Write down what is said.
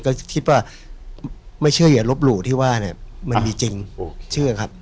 ก็คิดว่าไม่เชื่ออย่าลบหลู่ที่ว่าเนี่ยมันมีจริงเชื่อครับ